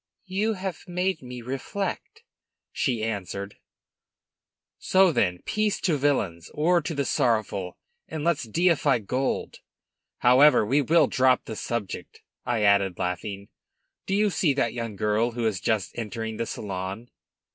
"You have made me reflect," she answered. "So, then, peace to villains, war to the sorrowful, and let's deify gold! However, we will drop the subject," I added, laughing. "Do you see that young girl who is just entering the salon?"